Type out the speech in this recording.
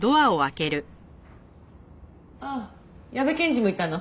ああ矢部検事もいたの。